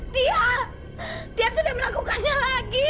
dia dia sudah melakukannya lagi